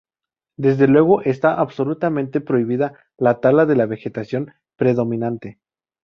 Desde luego, está absolutamente prohibida la tala de la vegetación predominante.